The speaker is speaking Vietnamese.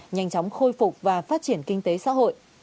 nhanh chóng khôi phục và phát triển kinh tế xã hội